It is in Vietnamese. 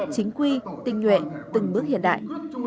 chính quy tình nguyện từng bước hiện đại